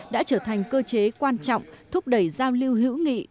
đã trở thành cơ chế quan trọng thúc đẩy giao lưu hữu nghị